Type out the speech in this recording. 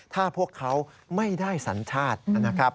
ถ้าพวกเขาไม่ได้สัญชาตินะครับ